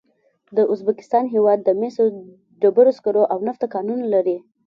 د ازبکستان هېواد د مسو، ډبرو سکرو او نفتو کانونه لري.